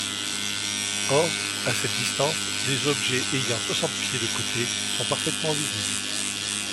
Or, à cette distance, les objets ayant soixante pieds de côté sont parfaitement visibles.